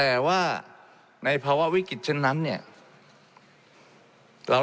และมีผลกระทบไปทุกสาขาอาชีพชาติ